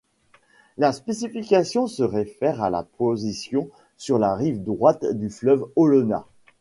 La spécification se réfère à la position sur la rive droite du fleuve Olona.